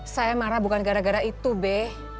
saya marah bukan gara gara itu b